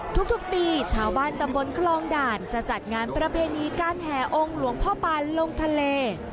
ทุกปีชาวบ้านตำบลคลองด่านจะจัดงานประเพณีการแห่องค์หลวงพ่อปานลงทะเล